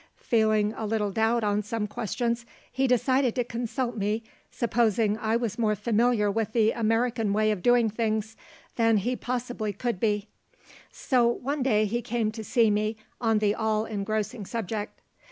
Feeling a little doubt on some questions, he decided to consult me, supposing I was more familiar with the American way of doing things than he possibly could be; so one day he came to see me on the all engrossing subject.